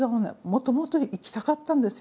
もともと行きたかったんですよ。